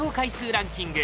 ランキング